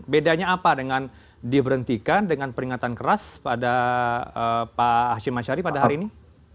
bedanya apa dengan diberhentikan dengan peringatan keras pada pak hashim ashari pada hari ini